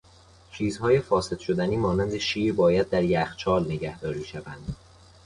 چیزهای فاسد شدنی مانند شیر باید در یخچال نگهداری شوند.